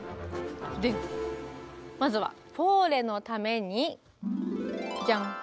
まずは「フォーレのために」じゃん！